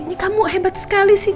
ini kamu hebat sekali sih